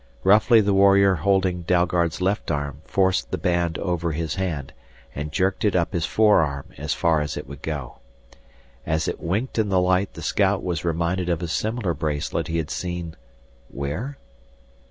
Roughly the warrior holding Dalgard's left arm forced the band over his hand and jerked it up his forearm as far as it would go. As it winked in the light the scout was reminded of a similar bracelet he had seen where?